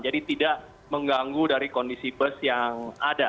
jadi tidak mengganggu dari kondisi bus yang ada